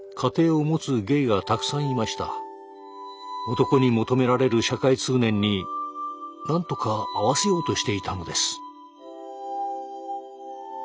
男に求められる社会通念になんとか合わせようとしていたのです。